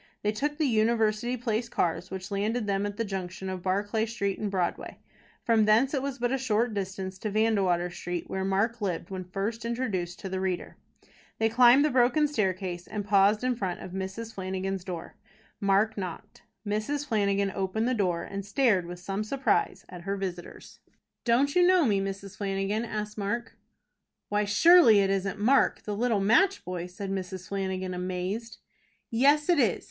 They took the University Place cars, which landed them at the junction of Barclay Street and Broadway. From thence it was but a short distance to Vandewater Street, where Mark lived when first introduced to the reader. They climbed the broken staircase, and paused in front of Mrs. Flanagan's door. Mark knocked. Mrs. Flanagan opened the door, and stared with some surprise at her visitors. "Don't you know me, Mrs. Flanagan?" asked Mark. "Why, surely it isn't Mark, the little match boy?" said Mrs. Flanagan, amazed. "Yes, it is.